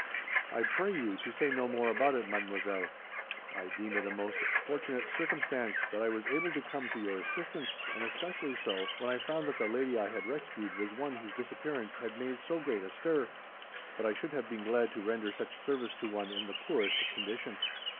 "I pray you to say no more about it, mademoiselle. I deem it a most fortunate circumstance, that I was able to come to your assistance, and especially so, when I found that the lady I had rescued was one whose disappearance had made so great a stir; but I should have been glad to render such service to one in the poorest condition."